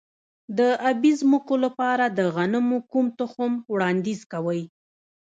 د ابي ځمکو لپاره د غنمو کوم تخم وړاندیز کوئ؟